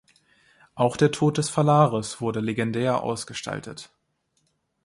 Auch der Tod des Phalaris wurde legendär ausgestaltet.